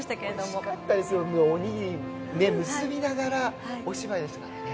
おいしかったですよ、おにぎり結びながらお芝居をするのがね。